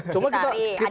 coba kita berharap